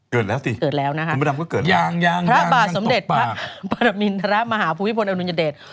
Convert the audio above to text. เกิดแล้วสิเกิดแล้วนะฮะพระบาทสมเด็จพระมินทรมาหาภูมิพลอนุญเดช